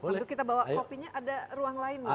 lalu kita bawa kopinya ada ruang lain mungkin